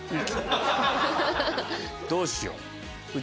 どうしよう。